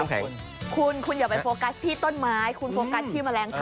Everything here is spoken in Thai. ไม่ท่านอย่าไปโฟกัสที่ต้นไม้ในที่ไฟมันกำลังลงไป